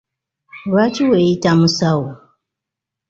Lwaki weeyita musawo?